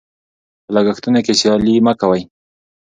په لګښتونو کې سیالي مه کوئ.